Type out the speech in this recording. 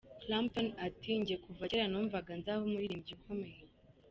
Clapton ati, “Njye kuva cyera numvaga nzaba umuririmbyi ukomeye.